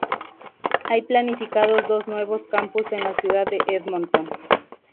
Hay planificados dos nuevos campus en la ciudad de Edmonton.